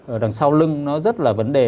ở đằng sau lưng nó rất là vấn đề